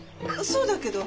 そうだけど。